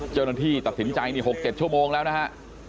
เจ้าหน้าที่ตัดสินใจนี่๖๗ชั่วโมงแล้วนะฮะ